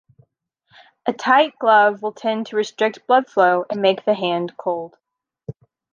A tight glove will tend to restrict blood flow and make the hand cold.